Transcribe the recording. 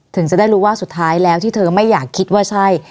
ถึงจะได้รู้ว่าสุดท้ายแล้วที่เธอไม่อยากคิดว่าใช่